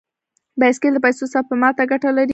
بایسکل د پیسو سپما ته ګټه لري.